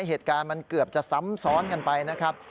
เหตุการณ์มันเกือบจะซ้ำซ้อนกันไปนะครับ